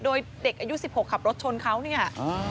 โดยเด็กอายุสิบหกขับรถชนเขาเนี่ยอ๋อ